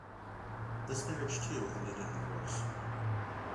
This marriage too ended in divorce.